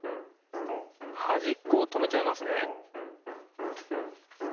はじっこを留めちゃいますね